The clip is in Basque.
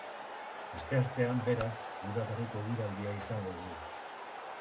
Asteartean, beraz, udaberriko eguraldia izango dugu.